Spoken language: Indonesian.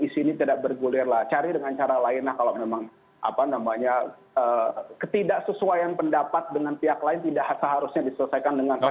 isi ini tidak bergulirlah cari dengan cara lainlah kalau memang apa namanya ketidaksesuaian pendapat dengan pihak lain tidak seharusnya diselesaikan dengan kandikal